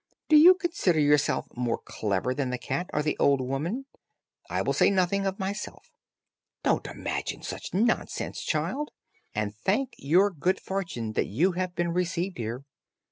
Do you consider yourself more clever than the cat, or the old woman? I will say nothing of myself. Don't imagine such nonsense, child, and thank your good fortune that you have been received here.